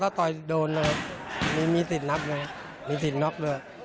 ถ้าตอยโดนมีสิทธิ์นับนะครับมีสิทธิ์เนาะเลย